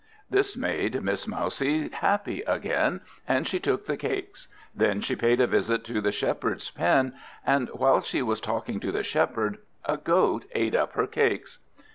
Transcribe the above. This made Miss Mousie happy again, and she took the Cakes. Then she paid a visit to the Shepherd's pen; and while she was talking to the Shepherd, a Goat ate up her cakes.